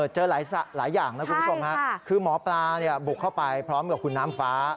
เจอหลายอย่างนะคุณผู้ชมคือหมอปลาบุกเข้าไปพร้อมกับคุณน้ำฟ้า